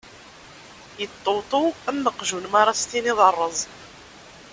Iṭṭewṭew am uqjun mi ara s tiniḍ: ṛṛeẓ!